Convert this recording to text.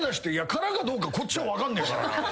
空かどうかこっちは分かんねえから。